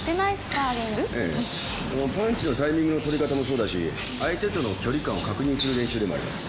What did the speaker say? パンチのタイミングの取り方もそうだし相手との距離感を確認する練習でもあります。